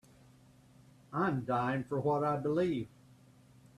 I'm dying for what I believe.